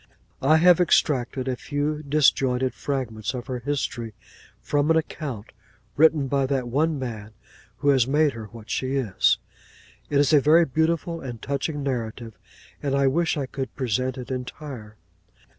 I have extracted a few disjointed fragments of her history, from an account, written by that one man who has made her what she is. It is a very beautiful and touching narrative; and I wish I could present it entire.